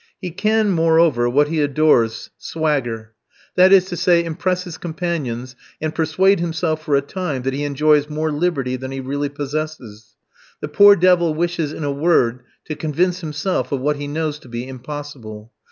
He can, moreover what he adores swagger; that is to say, impress his companions and persuade himself for a time, that he enjoys more liberty than he really possesses. The poor devil wishes, in a word, to convince himself of what he knows to be impossible.